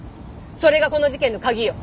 それがこの事件の「鍵」よ！